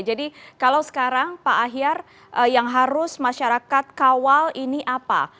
jadi kalau sekarang pak ahiar yang harus masyarakat kawal ini apa